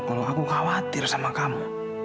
kalau aku khawatir sama kamu